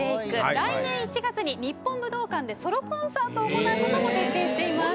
来年１月に日本武道館でソロコンサートを行うことも決定しています。